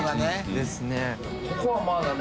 ですね。